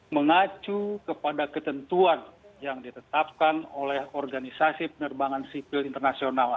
mengacu kepada ketentuan yang ditetapkan oleh organisasi penerbangan sipil internasional